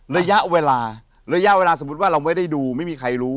ระยะเวลาระยะเวลาสมมุติว่าเราไม่ได้ดูไม่มีใครรู้